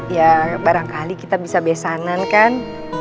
ya barangkali kita bisa besanan kan